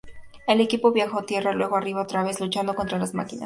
El equipo viaja bajo tierra, luego arriba otra vez, luchando contra las máquinas.